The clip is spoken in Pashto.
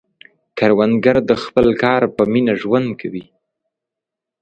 کروندګر د خپل کار په مینه ژوند کوي